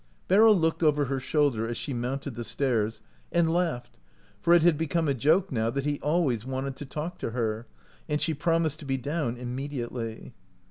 Beryl looked over her shoulder as she mounted the stairs, and laughed, for it had become a joke now that he always " wanted to talk to her," and she promised to be down immediately.